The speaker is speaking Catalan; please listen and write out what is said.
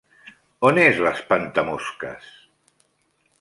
On és l'espantamosques?